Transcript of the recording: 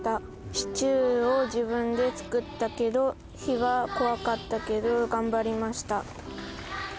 「シチューを自分で作ったけど火は怖かったけど頑張りました」